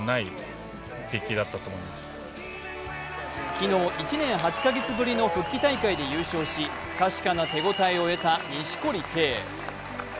昨日、１年８か月ぶりの復帰戦で優勝し確かな手応えを得た錦織圭。